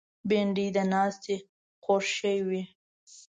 بېنډۍ د ناستې خوږ شی وي